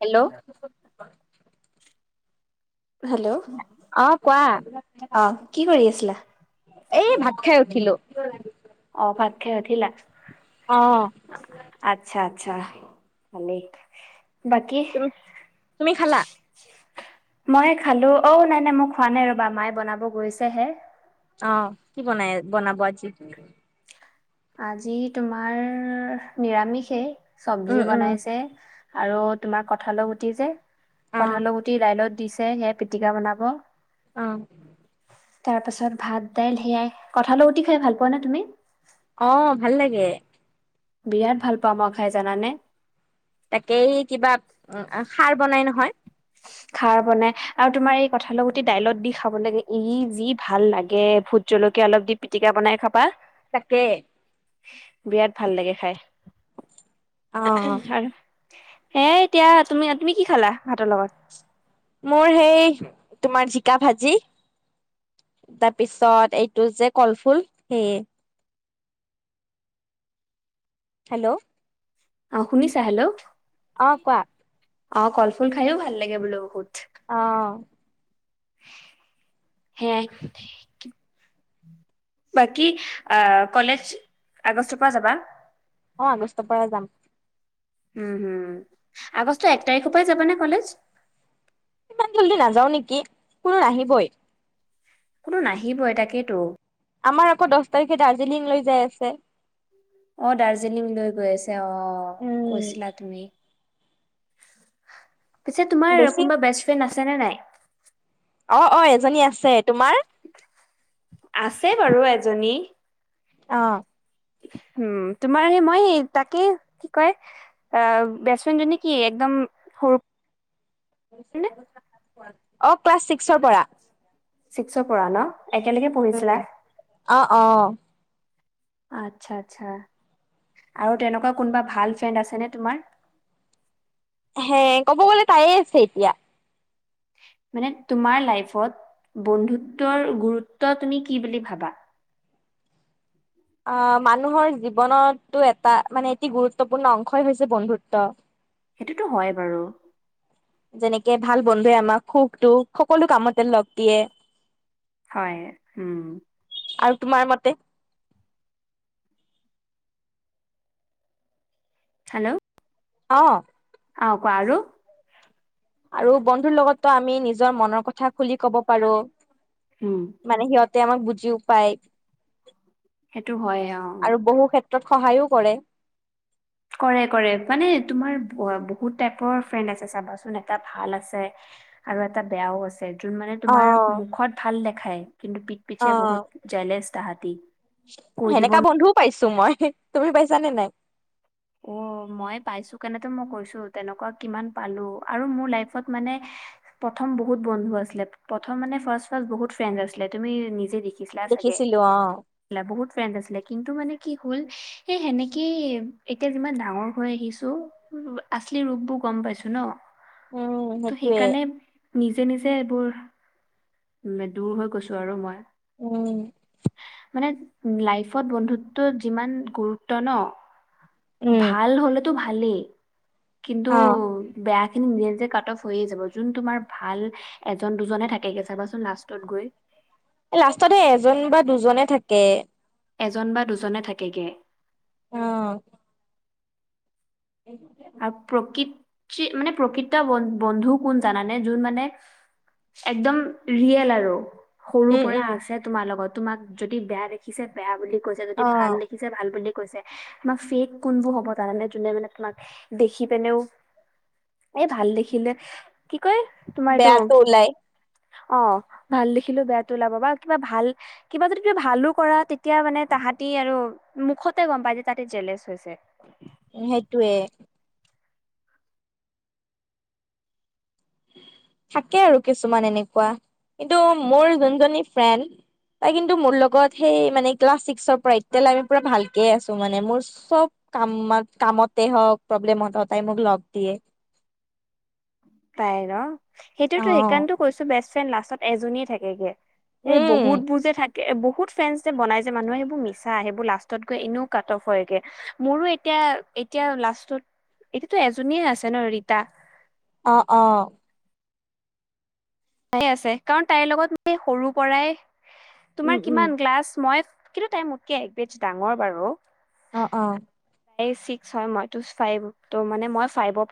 Hello hello অ কোৱা আহ কি কৰি আছিলা। এ ভাত খাই উঠিলো অ' ভাত খাই উঠিলা আহ আছা ভালে, তুমি খালা। মইে খালো অঔ নাই নাই মোক খোৱা নাই ৰবা মায়ে বনাব গৈছেহে অ' কি বনাই বনাব আজি আজি তোমাৰ নিৰামিষেই উম চব্জি উম বনাইছে। আৰু তোমাৰ কঠালৰ গুটি যে, অ কঁঠাল গুতি ডাইলত। দিছে সেয়া পিটিকা বনাব, অ' তাৰ পাছত ভাত দাইল সেয়াই কঁঠাল গুতি খাই ভাল পোৱা নে তুমি? অ' ভাল লাগে বিৰাট ভাল পাোৱা মই খাই জানানে [inaudible] তাকেই কিবা সাৰ বনাই নহয়। খাৰ বনাই আৰু তোমাৰ এই কঁঠাল গুতি দাইলত দি খাব লাগে ই যি ভাল লাগে ভোট জলকীয়া অলপ দি পিটিকা বনাই খাবা। তাকে [inaudible] বিৰাট ভাল লাগে খাই অ [inaudible] হয় [inaudible] হেই এতিয়া তুমি তুমি কি খালা ভাতৰ লগত মোৰ সেই তোমাৰ জিকা ভাজি তাৰপিছত এইটো যে কলফুল সেইয়ে হেল্লো' [inaudible] অ' শুনিছা হেল্লো'' কোৱা অ' কল ফুল খায়ও ভাল লাগে বোলো বহুত অহ [inaudible] সেয়াই বাকী আহ কলেজ আগষ্টৰ পৰা যাবা অ আগষ্টৰ পৰা যাম উম হম আগষ্ট এক তাৰিখৰ পৰা যাব নে কলেজ [inaudible] ইমান জল্দি নাযাও নেকি কোনো নাহিবই কোনো নাহিবই তাকেইেতো আমাৰ আকৌ দহ তাৰিখে জিলিং লৈ যায় আছে। অ', দাৰ্জিলিং লৈ গৈ আছে, অ', উম কৈছিলা তুমি। [inaudible] পিছে তোমাৰ বেছি কোনোবা বেষ্ট ফ্ৰেণ্ড আছ ছে নে নাই? অ অ এজনী আছে তোমাৰ আছে বাৰু এজনী অ উম তোমাৰ সেই মই সেই তাকে কি কয় বেষ্ট ফ্ৰেণ্ড জনী কি একদম সৰু [unintelligible] অ ক্লাছ ছিক্সৰ পৰা ছিক্সৰ পৰা ন একেলগে পঢ়িছিলা? উম অহ অহ আচ্ছা আচ্ছা আৰু তেনেকুৱা কোনোবা ভাল ফ্ৰেণ্ড আছেনে তোমাৰ হে ক'ব গ'লে তায়ে আছে এতিয়া মানে তোমাৰ লাইফত বন্ধুত্বৰ গুৰুত্ব তুমি কি বুলি ভাবা অহ মানুহৰ জীৱনতো এটা মানে এটি গুৰুত্বপূৰ্ণ অংশই হৈছে বন্ধুত্ব সেইটোতো হয় বাৰু যেনেকে ভাল বন্ধুৱে আমাক সুখ দুখ সকলো কামতে লগ দিয়ে হয় উম আৰু তোমাৰ মতে হেল্লো' অ অ কোৱা আৰু আৰু বন্ধুৰ লগত ত আমি নিজৰ মনৰ কথা খুলি কব পাৰো উম, মানে সিহঁতে আমাক বুজি বুজিও পাই সেইটো হয় অ' ত্ৰত সহায়ো কৰে। কৰে কৰে মানে তোমাৰ বহুত টাইপৰ ফ্ৰেণ্ড আছে চাবাচোন এটা ভাল আছে আৰু এটা বেয়াও আছে। যোন মানে অ তোমাৰ মুখত ভাল দেখ খাই কিন্তু পিত অ পিছে বহুত জেলেছ। তাহতি সেনেকা বন্ধু পাইছো মই তুমি পাইছানে নে নাই? অ' মই পাইছো কানেতো মই কৈছো তেনেকুৱা কিমান পালো আৰু মোৰ লাইফত মানে প্ৰথম বহুত বন্ধু আছিলে প্ৰথম মানে ফাৰ্ষ ফাৰ্ষ বহুত ফ্ৰেণ্ড আছিলে তুমি নিজে দেখি দেখিছিল দেখিছিলো অ চাগো বহুত ফ্ৰেণ্ড আছিলে কিন্তু মানে কি হ'ল সেই সেনেকেই এতিয়া যিমান ডাঙৰ হৈ আহিছো আছলি ৰূপবোৰ গম পাইছো ন। উম তে সেইটোৱে সেইকাৰণে নিজে নিজে এইবোৰ, দূৰ হৈ গৈছো আৰু মই। উম। মানে লাইফত বন্ধুত্ব যিমান গুৰুত্ব ন উম ভাল হ'লেতো ভাল আলি। কিন্তু অ বেয়া নিজে নিজে কাট অফ হৈয়ে যাব, জোন তোমাৰ ভাল এজন দুজনহে থাকেগৈ চাবাচোন লাষ্টত গৈ। লাষ্টত সেই এজন বা দুজনে থাক কে এজন বা দুজনে থাকে গে। অ। এই আৰু প্ৰকৃৃতি মানে প্ৰকৃত বন্ধু কোন জানানে যোন মানে একদম ৰিয়েল আৰু সৰু উম পৰা উম আছে তোমাৰ লগত তোমাক যদি বেয়া দেখিছে বেয়া বুলি কৈছে যদি অ ভাল দেখিছে ভাল বুলি কৈছে। তোমাৰ ফেক কোনবোৰ হ'ব জানানে জোনে মানে তোমাক দেখি পিনেও এই ভাল দেখিলে কি কয় তোমাৰ এইটো বেয়াটো ওলাই। অ ভাল দেখিলেও বেয়াটো ওলাব বা কিবা ভাল কিবা যদি কৈ ভালো কৰা তেতিয়া মানে তাহতি আৰু মুখতে গম পাই যে তাহতে জেলেচ হৈছে। সেটোৱে থাকে আৰু কিছুমান এনেকুৱা কিন্তু মোৰ যোনজনী ফ্ৰেণ্ড তাই কিন্তু মোৰ লগত সেই মানে ক্লাছ ছিক্সৰ পৰা এতিয়ালৈ আমি পোৰা ভালকে আছো মানে মোৰ চব কামত কামতে হওক প্ৰব্লেমত সদায় মোক লগ দিয়ে। তাই ন অ সেইটোতো সেইকাৰণে কৈছো বেস্ চেন লাষ্টত এজনীয়ে থাকেগে। এই উম বহুত বুজে থাকে। বহুত ফ্ৰেনছ যে বনাই যে মানুহে সেইবোৰ মিছা সেইবোৰ লাষ্টত গৈ এনেও কাটাফ হয়গে মোৰো এতিয়া এতিয়া লাষ্টত এতিয়া টো এজনীয়ে আছে ন ৰীতা। অ অ আছে কাৰণ তাইৰ লগত মই সৰু পৰাই তোমাৰ উম উম কিমান গ্লাছ মই কিন্তু তাই মোতকে এক বেজ ডাঙৰ বাৰু অ অ [unintelligible] হৈ গল আম একেখন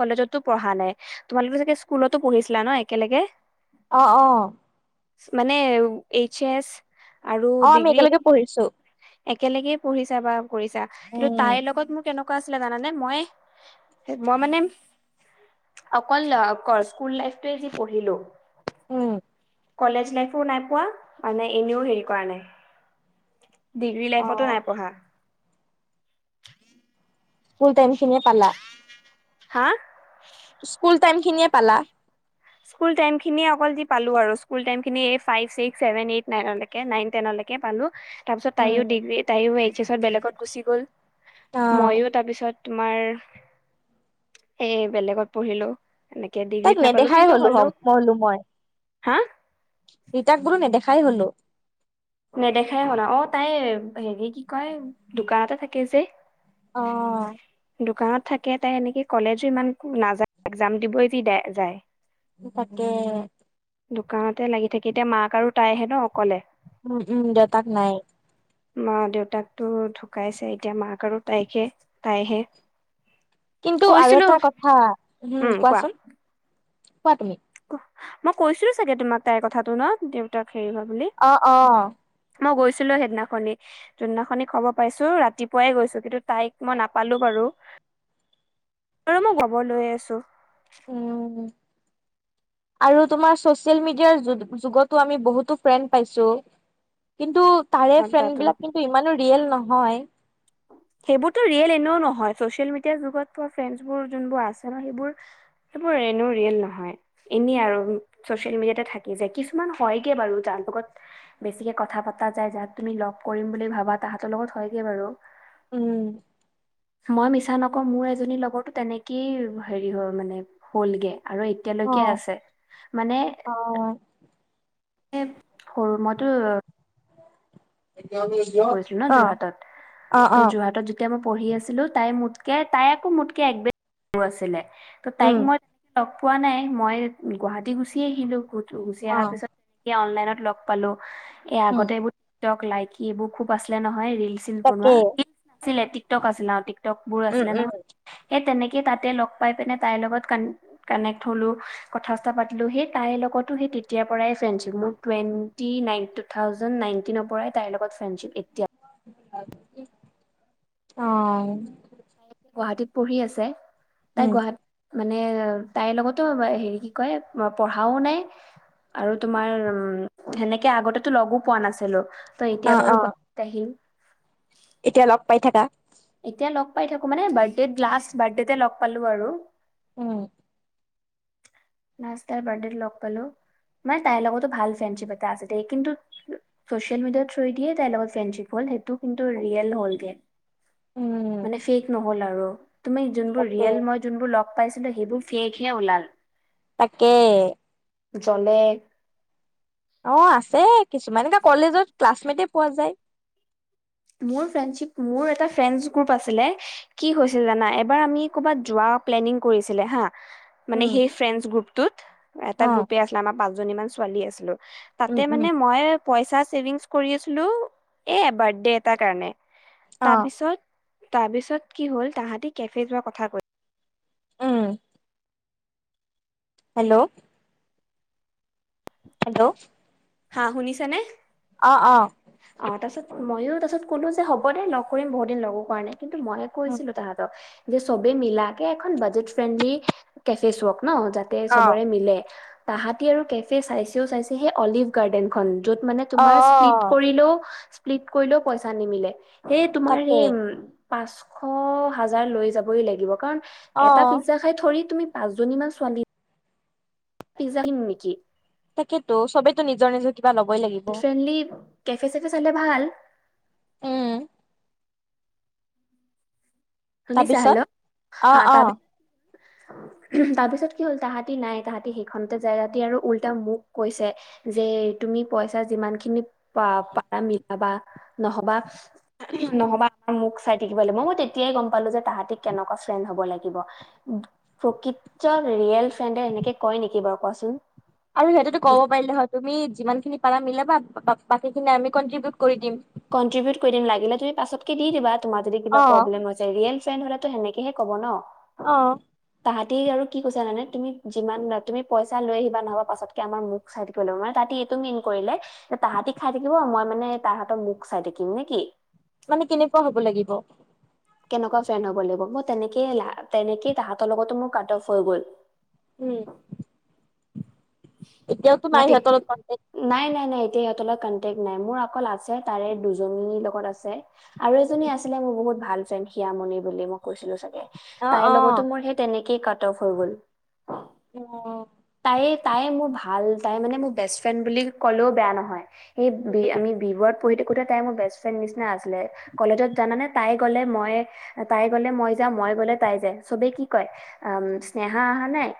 কলেজতো পঢ়া নাই তোমালোকে চাগে স্কুলতো পঢ়িছিলা ন একেলগে আহ অ মানে এইচ এছ অ আমি একেলগে পঢ়িছো। একেলগেই পঢ়িছা বা কৰিছা কিন্তু উম তাইৰ লগত মোৰ কেনেকুৱা [inaudible] উম কলেজ লাইফো নাই পোৱা মানে এনেও হেৰি কৰা নাই। [inaudible] ডিগ্ৰী অ লাইফতো নাই পঢ়া। [inaudible] কূলটাইমখিনিয়ে পালা। হা? স্কুল টাইমখিনিয়ে পালা? স্কুল টাইমখিনিয়ে অকল যি পালো আৰু স্কুল টাইমখিনি এই five, six, seven, eight, nine, nine, ten লৈকে পালো। তাৰ পিছত অ তাইও ডিগ্ৰী তাইও এইট খিছত বেলেগত গুচি গ'ল। মইও তাপিছত তোমাৰ এই বেলেগত পঢ়িলো। এনেকে ডিগ্ৰীত নাপালো। সেই কিন্তু হ'লো হ'লেও হম মইলো মই। হা? খাই হলো নেদেখাই হ'ল অ তাই হেৰি কি কয় দোকানতে থাকে যে। অ। দোকানত থাকে তাই এনেকে কলেজো ইমান নাযায় একজাম দিবই যি দাই যায়। তাকে দোকানতে লাগি থাকি, এতিয়া মাক আৰু তাইহে নহ অকলে উম, উম। দেউতাক নাই মা দেউতাকতো ঢুকাইছে। এতিয়া মাক আৰু তাইকহে তাইহে কিন্তু আৰু কৈছিলো এটা কথা, হম উম কোৱা কোৱাচোন কোৱা তুমি মই কৈছিলো চাগে তোমাক তাইৰ কথাটো নহ, দেউতাক হেৰি হয় বুলি অ', অ'। মই গৈছিলোঁ সেইদিনাখনি, যোনদিনাখনি খবৰ পাইছো ৰাতিপুৱাই গৈছোঁ কিন্তু তাইক মই নাপালো বাৰু আৰু মই গব লৈ আছোঁ। উম, আৰু তোমাৰ চচিয়েল মিডিয়াৰ যুগ-যুগটো আমি বহুতো ফ্ৰেণ্ড পাইছোঁ কিন্তু তাৰে ফ্ৰেণ্ডবিলাক কিন্তু ইমানো ৰিয়েল ন হয়। সেইবোৰটো ৰিয়েল এনেও নহয়, চচিয়েল মিডিয়াৰ যুগত ফ্ৰেণ্ডচবোৰ যোনবোৰ আছে নহয়, সেইবোৰ সেইবোৰ এনে ৰিয়েল নহয়, এনে আৰু চচিয়েল মিডিয়াতে থাকি যায়, কিছুমান হয়গে বাৰু, যাৰ লগত বেছিকে কথা পতা যায়, যাক তুমি লগ কৰিম বুলি ভাবা তাহাঁতৰ লগত হয়গে বাৰু। উম। মই মিছা নকওঁ মোৰ এজনীৰ লগৰটো তেনেকেই হেৰি হ'ল মানে, হ'লগে। আৰু অ এতিয়ালৈকে আছে, মানে অ এ সৰু মইটো পঢ়িছিলো ন' অ যোৰহাটত অ অ ত' যোৰহাটত যেতিয়া মই পঢ়ি আছিলোঁ তাই মোত কে তাই আকৌ মোতকৈ একবেগ সৰু আছিলে, ত' উম তাইক মই তেনেকে লগ পোৱা নাই, মই গুৱাহাটী গুচি আহিলোঁ। টো গুচি অ আহাৰ পিছত সে অনলাইন লগ পালো। এই উম আগতে এই বোৰক লাইক ইবোৰ খুব আছিলে নহয়। ৰিল চিল তাকে বনোৱা। আছিলে টিকটক আছিলে। টিক বোৰ উম আছিলে উম নহয়। সেই তেনেকে কি তাতে লগ পাই পিনে তাইৰ লগত কান কানেক্ট হ'লো। কথা চথা পাতিলো সেই তাইৰ লগতো সেই তেতিয়াৰ পৰাই ফ্ৰেণ্ডশ্বিপ, মোৰ টুৱেণ্টি নাইন টু থাউজেনড নাইনটিনৰ পৰাই। তাই লগত ফ্ৰেণ্ডশ্বিপ এ অ'। তাই এতিয়া গুৱাহাটীত পঢ়ি আছে? তাই উম গুৱাহাটী মানে তাইৰ লগতো হেৰি কি কয় পঢ়াও নাই, আৰু তোমাৰ উম সেনেকে আগতেতো লগো পোৱা নাছিলো। অ এতিয়া বাৰু অ গুৱাহাটীত আহিল। এতিয়া লগ পাই থাকা। এতিয়া লগ পাই থাকো। মানে বাৰ্থডে লাষ্ট বাৰ্থডেতে লগ পালো আৰু। উম। লাষ্ট তাই বিৰ্থডেট লগ পালো। মানে তাইৰ লগতো ভাল ফ্ৰেণ্ডশ্বিপ এটা আছে, দেই কিন্তু ছচিয়েল মিডিয়াৰ থ্ৰয়ে দিয়ে তাইৰ লগত ফ্ৰেণ্ডশ্বিপ হ'ল। সেইটো কি ৰিয়েল হ'লগে। উম মানে শেষ ন'হল আৰু। [unintelligible] তুমি যোনবোৰ তাকে ৰিয়েল মই যোনবোৰ ল লগ পাইছিলো সেইবোৰ ফেকহে ওলাল। তাকে। জলে অ' আছে কিছুমান একে কলেজত ক্লাছমেটে পোৱা যায়। মোৰ ফ্ৰেণ্ডশ্বিপ মোৰ এটা ফ্ৰেণ্ডচ গ্ৰুপ আছিলে কি হৈছিল জানা এবাৰ আমি ক'ৰবাত যোৱা প্লেনিং কৰিছিলে হা মানে উম সেই ফ্ৰেণ্ডচ গ্ৰুপ তুত এটা অ গ্ৰুপে আছিলে, আমাৰ পাঁচ জনীমান ছোৱালী আছিলো উম তাতে উম মানে মই পইচাই ছেভিংছ কৰি আছিলো, এহ বাৰ্থডেট কাৰ কাৰণে অ তাৰপিছত তাৰপিছত কি হল, তাহাঁতি কেফে যোৱা কথা কই উম হেল্ল' হেল্ল' হা শুনিছে নে? অ অ। অ তাৰপিছত মইয়ো তাৰপছত কলো যে হ'ব দে লগ কৰিম বহুত দিন লগো কৰা নাই। কিন্তু, মইয়ে কৈছিলো তাহাঁতক। যে চবেই মিলাকে এখন বাজেট ফ্ৰেণ্ডলি কেফে চপ। ন যাতে অ চবৰে মিলে। তাহাঁতি আৰু কেফে চাইছেও চাইছে সেই অলিভ গাৰ্ডেনখন। য'ত মানে, অ তোমাৰ স্ক্ৰীপ্ট। কৰিলো। স্প্লিট কৰিলেও পইচা নিমিলে। এই তোমাৰ তাকে এই। পাঁচশ হাজাৰ লৈ যাবই লাগিব কাৰণ, অ এটা পিজ্জা খাই থৰি তুমি, পাঁচজনীমান ছোৱালী। পিজা নিম নেকি? তাকেতো সবেতো নিজৰ নিজৰ কিবা ল'বই লাগিব ফ্ৰেণ্ডলি কেফে চেফে চালে ভাল। উম শুনিছা হেল্ল' তাৰপিছত হা অ অ তাৰ পিছত কি হ'ল তাহাঁতি নাই তাহাঁতি সেইখনতে যায় তহাঁতি আৰু উল্টা মোক কৈছে যে তুমি পইচা যিমান খিনি পা পাৰা মিলাবা নহবা নহবা মোক চাই থাকিবা লাগিব মই মই তেতিয়াই গম পালো যে তাহাঁতি কেনেকুৱা ফ্ৰেণ্ড হব [unintelligible] [unintelligible] কিব উম প্ৰকৃত ৰিয়েল ফ্ৰেণ্ডে এনেকে কয় নেকি বাৰু কোৱাচোন আৰু সিহঁতেতো ক'ব পাৰিলে হয় তুমি যিমানখিনি পাৰা মিলাবা বাকীখিনি আমি কনট্ৰিবিউট কৰি দিম কনট্ৰিবউট কৰি দিম লাগিলে তুমি পাছতকে দি দিবা তোমাৰ যদি কিবা অ প্ৰব্লেম হৈছে ৰিয়েল ফেণ্ড হলেতো সেনেকেহে ক'ব ন অ [unintelligible] টি আৰু কি কৈছে জানানে তুমি যিমান তুমি পইচা লৈ আহিবা নহবা পাছতকে আমাৰ মুখ চাই থাকিব লাগিব মানে তাহাঁতি এইটো মিন কৰিলে তাহাঁতি খাই থাকিব মই মানে তাহাঁতৰ মুখ চাই থাকিম নেকি মানে কেনেকুৱা হ'ব লাগিব কেনেকুৱা ফ্ৰেণ্ড হ'ব লাগিব মই তেনেকেই তেনেকেই তাহাঁতৰ লগতো মোৰ কাট অফ হৈ গ'ল উম, এতিয়াওতো নাই মই তে সিহঁতৰ লগত কন্টেক নাই নাই নাই এতিয়া সিহঁতৰ লগত কনটেক্ট নাই মোৰ অকল আছে তাৰে দুজনীৰ লগত আছে আৰু এজনী আছিলে মোৰ বহুত ভাল ফ্ৰেণ্ড সিয়ামণি বুলি মই কৈছিলো চাগে অ তাইৰ অ লগতো মোৰ সেই তেনে- -কেই কাট অফ হৈ গ'ল অ এই তাই মোৰ ভাল তাই মানে মোৰ বেষ্ট ফ্ৰেণ্ড বুলি ক'লেও বেয়া নহয় এই বি উম, আমি বি বৰুৱাত পঢ়ি থাকোতে তাই মোৰ বেষ্ট ফ্ৰেণ্ড নিচিনাই আছিলে কলেজত জানানে তাই গ'লে মই তাই গলে মই যাও মই গলে তাই যাই চবে কি কয় উম স্নেহা অহা নাই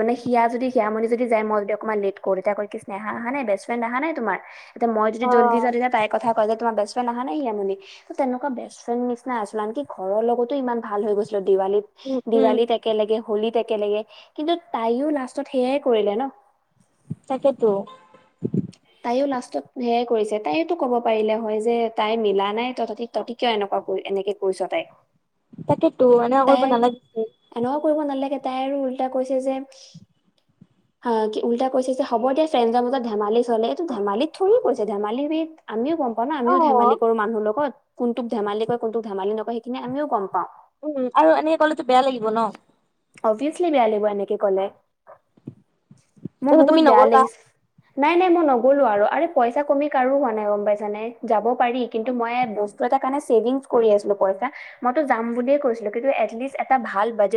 মানে সিয়া যদি সিয়ামণি যদি যায় মই যদি অকমান লেট কো তেতিয়া ক কি স্নেহা অহা নাই বেষ্ট ফ্ৰেণ্ড অহা নাই তোমাৰ [unintelligible] তেতিয়া মই যদি অ জল্দি যাও তেতিয়া তাই কথা কয় যে তোম বেষ্ট ফ্ৰেণ্ড অহা নাই সীয়ামণি তেনেকুৱা বেষ্ট ফ্ৰেণ্ড নিচ- চিনা আছিল আনকি ঘৰৰ লগতো ইমান ভাল হৈ গৈছে দিৱালীত উম উম দিৱালীত একেলগে হোলীত এক একেলগে কিন্তু তাইও লাষ্টত সেয়াই কৰিলে ন তাকেইতো তাইও লাষ্টত সেয়াই কৰিছে তাইওতো কব পাৰিলে হয় যে তাই মিলা নাই তটি তহঁতি কিয় এনেকুৱা এনেকে কৰিছ তাইক তাকেই -টো এনেকুৱা কৰিব নালাগিছিল এনেকুৱা কৰিব নালাগে তাই আৰু উল্টা কৈছে যে কি উল্টা কৈছে যে হ'ব দিয়া ফ্ৰেণ্ডৰ মাজত ধেমালি চলে এইটো ধেমালিত থৰি কৈছে ধেমালি আমিও গম প [unintelligible] ন অ আমিও ধেমালি কৰো মানুহ লগত কোনটোক ধেমালি কয় কোনটোক ধেমালি নকয় সেইখিনি আমিও গম পাওঁ উম আৰু এনেকে ক'লেতো বেয়া লাগিব ন অভিয়াচলি বেয়া লাগিব এনেকে কলে মোৰ তাৰপিছত বহুত তুমি বেয়া নগলা লাগিছে নাই নাই মই নগলো আৰু পইচা কমি কাৰো হোৱা নাই গম পাইছানে যাব পাৰি কিন্তু মই বস্তু এটা কাৰনে ছেভিং কৰি আছো পইচা মইটো যাম বুলিয়েই কৈছিলো কিন্তু এতলিষ্ট এটা ভাল বাজেট